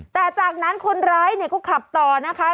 แต่จากนั้นคนร้ายเนี่ยก็ขับต่อนะคะ